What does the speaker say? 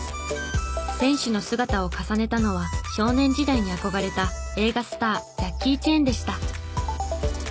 選手の姿を重ねたのは少年時代に憧れた映画スタージャッキー・チェンでした。